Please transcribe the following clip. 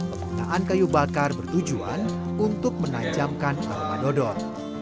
pemetaan kayu bakar bertujuan untuk menanjamkan aroma dodol